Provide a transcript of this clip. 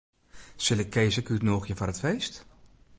Sil ik Kees ek útnûgje foar it feest?